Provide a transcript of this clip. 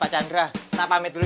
pak chandra kita pamit dulu ya